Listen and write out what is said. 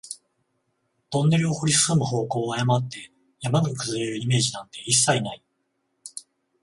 トンネルを掘り進む方向を誤って、山が崩れるイメージなんて一切ない